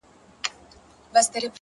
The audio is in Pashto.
ځكه مي دعا؛ دعا؛ دعا په غېږ كي ايښې ده؛